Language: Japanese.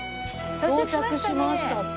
到着しましたね。